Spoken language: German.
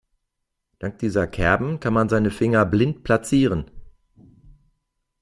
Dank dieser Kerben kann man seine Finger blind platzieren.